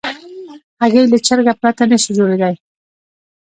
هګۍ له چرګه پرته نشي جوړېدای.